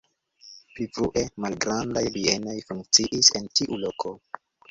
Pli frue malgrandaj bienoj funkciis en tiu loko.